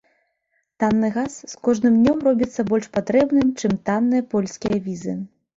Танны газ з кожным днём робіцца больш патрэбным, чым танныя польскія візы.